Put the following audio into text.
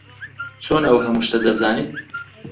چۆن ئەو هەموو شتە دەزانیت؟